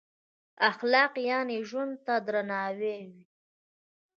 اخلاق یعنې ژوند ته درناوی.